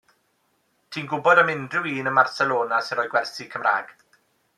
Ti'n gwybod am unrhyw un ym Marcelona sy'n rhoi gwersi Cymraeg?